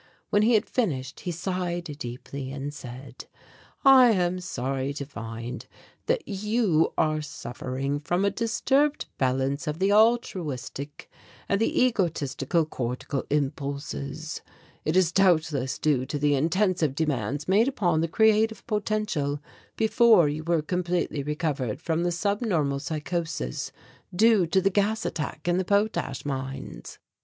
When he had finished he sighed deeply and said: "I am sorry to find that you are suffering from a disturbed balance of the altruistic and the egotistic cortical impulses; it is doubtless due to the intensive demands made upon the creative potential before you were completely recovered from the sub normal psychosis due to the gas attack in the potash mines."